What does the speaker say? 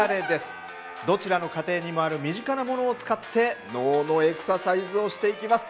どちらの家庭にもある身近なものを使って脳のエクササイズをしていきます。